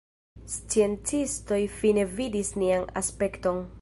Sciencistoj fine vidis nian aspekton.